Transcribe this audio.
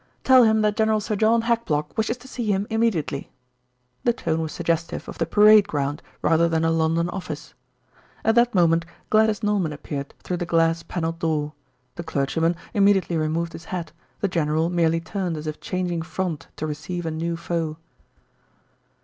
"Tell him that General Sir John Hackblock wishes to see him immediately." The tone was suggestive of the parade ground rather than a London office. At that moment Gladys Norman appeared through the glass panelled door. The clergyman immediately removed his hat, the general merely turned as if changing front to receive a new foe.